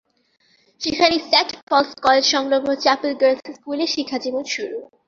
সেখানেই Saint Paul's college সংলগ্ন chapel girls স্কুল-এ শিক্ষা জীবন শুরু।